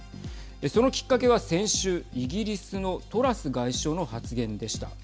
そのきっかけは先週イギリスのトラス外相の発言でした。